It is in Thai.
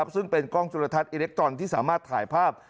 ซึ่งเป็นกล้องจุลทัศนอิเล็กทรอนที่สามารถถ่ายภาพ